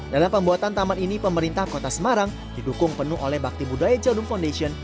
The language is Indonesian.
dalam pembuatan taman ini pemerintah kota semarang didukung penuh oleh bakti budaya jadum foundation